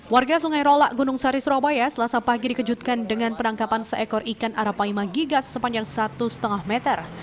warga sungai rolak gunung sari surabaya selasa pagi dikejutkan dengan penangkapan seekor ikan arapaima gigas sepanjang satu lima meter